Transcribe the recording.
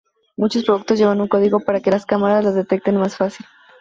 Muchos productos llevan un código para que las cámaras los detecten más fácil.